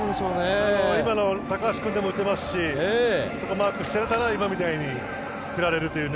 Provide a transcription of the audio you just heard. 今の高橋君でも打てますしマークしているから今みたいに振られるという。